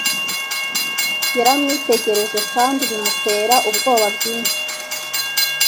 yaramwitegereje kandi bimutera ubwoba bwinshi